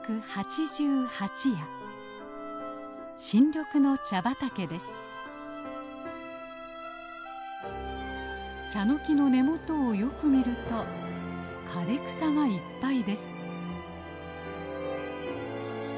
チャノキの根元をよく見ると枯れ草がいっぱいです。